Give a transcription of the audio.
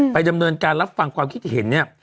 ดำเนินการรับฟังความคิดเห็นเนี่ย